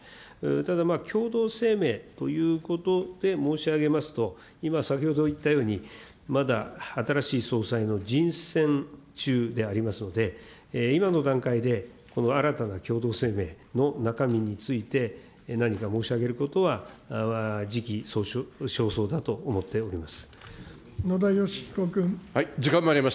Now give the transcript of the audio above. ただまあ、共同声明ということで申し上げますと、今、先ほど言ったように、まだ新しい総裁の人選中でありますので、今の段階で、この新たな共同声明の中身について、何か申し上げることは時期尚早だと思っております。